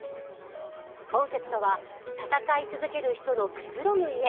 コンセプトは、戦い続ける人のくつろぐ家。